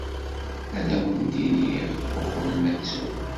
Ad awen-d-iniɣ uqbel ma ttuɣ.